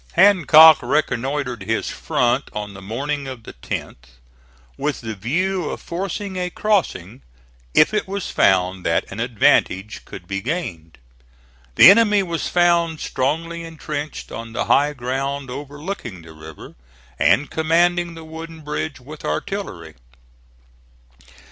Hancock reconnoitred his front on the morning of the 10th, with the view of forcing a crossing, if it was found that an advantage could be gained. The enemy was found strongly intrenched on the high ground overlooking the river, and commanding the Wooden Bridge with artillery.